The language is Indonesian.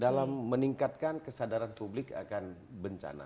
dalam meningkatkan kesadaran publik akan bencana